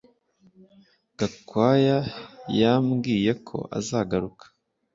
Gakwaya yambwiye ko azagaruka